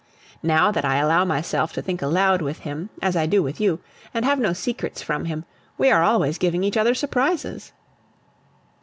Now that I allow myself to think aloud with him, as I do with you, and have no secrets from him, we are always giving each other surprises.